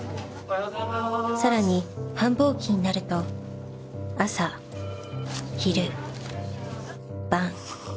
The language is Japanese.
更に繁忙期になると朝昼晩。